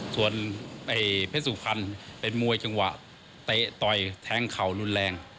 ส่วนเพพรสุภัณฑ์เป็นมวยเฉียงหวะเตะต่อยเท้งเขารุนแรง